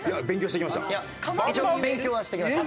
いや一応勉強はしてきました。